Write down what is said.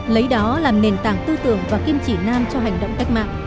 lấy đó làm nền tảng tư tưởng và kim chỉ nam cho hành động cách mạng